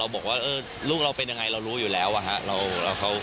บอกว่าลูกเราเป็นยังไงเรารู้อยู่แล้วอะฮะ